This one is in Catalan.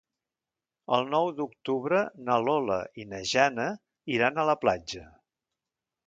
El nou d'octubre na Lola i na Jana iran a la platja.